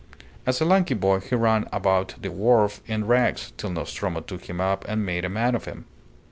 As a lanky boy he ran about the wharf in rags, till Nostromo took him up and made a man of him.